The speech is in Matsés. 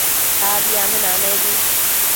Abi anuenanebi